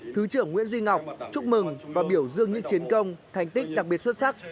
thứ trưởng nguyễn duy ngọc chúc mừng và biểu dương những chiến công thành tích đặc biệt xuất sắc